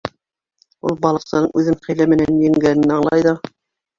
Ул балыҡсының үҙен хәйлә менән еңгәнен аңлай ҙа: